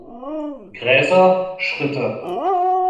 Gräser, Schritte.